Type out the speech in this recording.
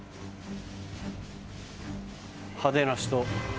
派手な人。